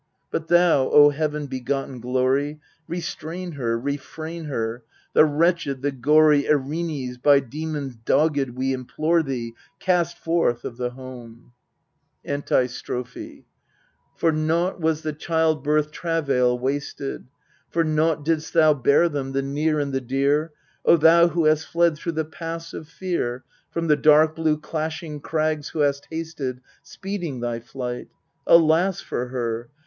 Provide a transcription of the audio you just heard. But thou, O heaven begotten glory, Restrain her, refrain her : the wretched, the gory Erinnys by demons dogged, we implore thee, Cast forth of the home ! A ntistrophe For naught was the childbirth travail wasted ; For naught didst thou bear them, the near and the dear, O thou who hast fled through the Pass of Fear, From the dark blue Clashing Crags who hast hasted, Speeding thy flight ! Alas for her